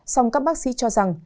song các bác sĩ cho rằng